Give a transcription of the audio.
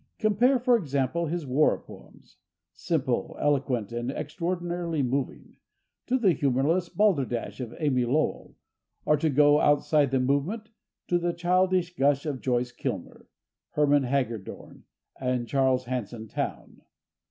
Compare, for example, his war poems—simple, eloquent and extraordinarily moving—to the humorless balderdash of Amy Lowell, or, to go outside the movement, to the childish gush of Joyce Kilmer, Hermann Hagedorn and Charles Hanson Towne.